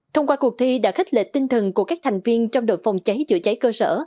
thông qua cuộc thi đã khích lệ tinh thần của các thành viên trong đội phòng cháy chữa cháy cơ sở